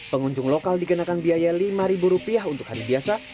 pengunjung lokal dikenakan biaya lima rupiah untuk hari biasa